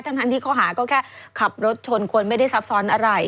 ทั้งที่ข้อหาก็แค่ขับรถชนคนไม่ได้ซับซ้อนอะไร